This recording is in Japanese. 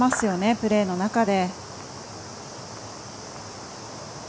プレーの中で。